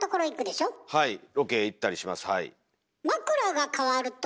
はいロケ行ったりしますはい。